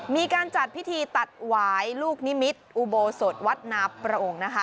มีการจัดพิธีตัดหวายลูกนิมิตรอุโบสถวัดนาโปรงนะคะ